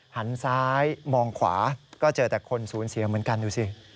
หันซ้ายมองขวาก็เจอแต่คนสูญเสียเหมือนกันดูสิ